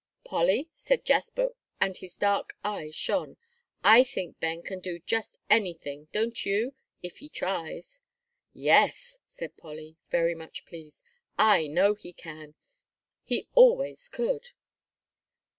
"Polly," said Jasper, and his dark eyes shone, "I think Ben can do just anything, don't you, if he tries?" "Yes," said Polly, very much pleased, "I know he can; he always could."